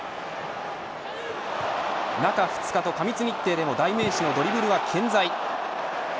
中２日と過密日程でも代名詞のドリブルは健在。